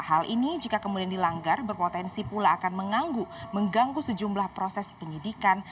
hal ini jika kemudian dilanggar berpotensi pula akan mengganggu sejumlah proses penyidikan